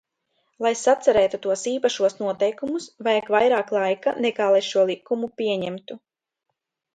Lai sacerētu tos īpašos noteikumus, vajag vairāk laika, nekā lai šo likumu pieņemtu.